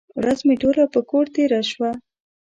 ورځ مې ټوله په کور تېره شوه.